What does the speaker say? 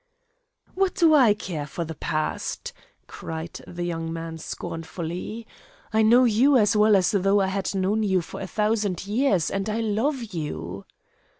"What do I care for the past?" cried the young man scornfully. "I know you as well as though I had known you for a thousand years and I love you."